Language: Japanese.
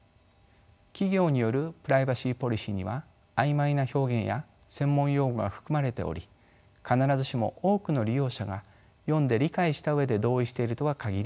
企業によるプライバシーポリシーには曖昧な表現や専門用語が含まれており必ずしも多くの利用者が読んで理解した上で同意しているとは限りません。